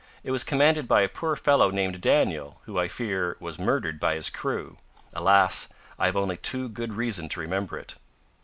It was commanded by a poor fellow named Daniel, who, I fear, was murdered by his crew. Alas! I have only too good reason to remember it."